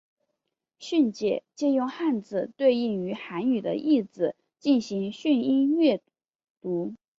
训借借用汉字对应于韩语的意字进行训音阅读。